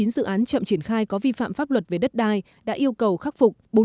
chín dự án chậm triển khai có vi phạm pháp luật về đất đai đã yêu cầu khắc phục